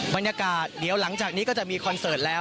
บรรยากาศเดี๋ยวหลังจากนี้ก็จะมีคอนเสิร์ตแล้ว